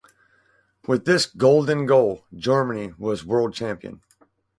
With this Golden Goal Germany was world champion.